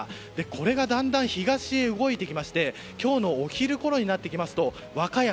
これがだんだん東へ動いてきまして今日のお昼ごろになってきますと和歌山。